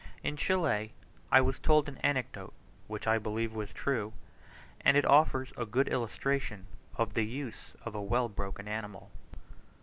In Chile I was told an anecdote, which I believe was true; and it offers a good illustration of the use of a well broken animal.